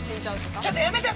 ちょっとやめてよ！